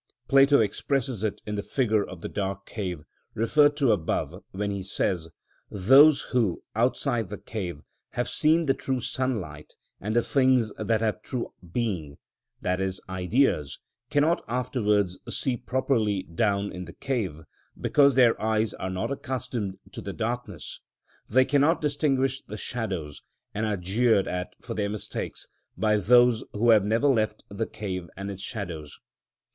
Plato expresses it in the figure of the dark cave, referred to above (De Rep. 7), when he says: "Those who, outside the cave, have seen the true sunlight and the things that have true being (Ideas), cannot afterwards see properly down in the cave, because their eyes are not accustomed to the darkness; they cannot distinguish the shadows, and are jeered at for their mistakes by those who have never left the cave and its shadows."